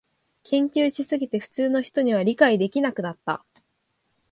研究しすぎて普通の人には理解できなくなった